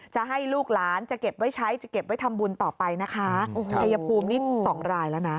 จะให้ลูกหลานจะเก็บไว้ใช้จะเก็บไว้ทำบุญต่อไปนะคะชัยภูมินี่สองรายแล้วนะ